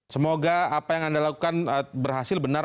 semoga apa yang anda lakukan berhasil benar